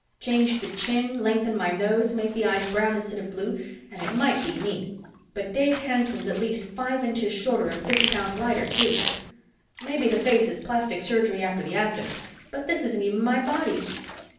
Change the chin, lengthen my nose, make the eyes brown instead of blue, and it might be me. But Dave Hanson's at least five inches shorter and fifty pounds lighter, too. Maybe the face is plastic surgery after the accident but this isn't even my body."